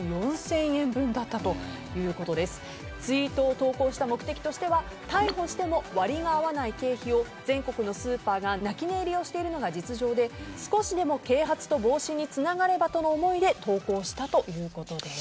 投稿した目的としては逮捕しても割が合わない経費を全国のスーパーが泣き寝入りをしているのが実情で少しでも啓発と防止につながればという思いで投稿したということです。